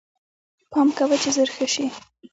پال کوه چې زر ښه شې